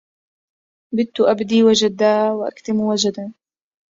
بت أبدي وجدا وأكتم وجدا